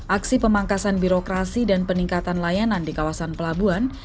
aksi pemangkasan birokrasi dan peningkatan layanan di kawasan pelabuhan